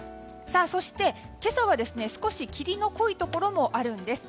そして、今朝は少し霧の濃いところもあるんです。